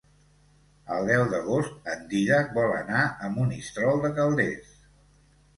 El deu d'agost en Dídac vol anar a Monistrol de Calders.